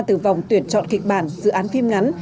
từ vòng tuyển chọn kịch bản dự án phim ngắn